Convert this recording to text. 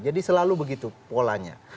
jadi selalu begitu polanya